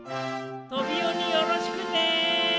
トビオによろしくね。